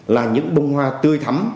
là những bông hoa tươi thắm